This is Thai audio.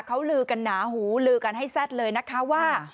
เขาลือกันหนาหูลือกันให้แซ่ดเลยนะคะว่า